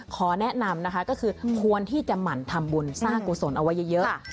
ขอแนะนำนะคะก็คือควรที่จะหมั่นทำบุญสร้างกุศลเอาไว้เยอะ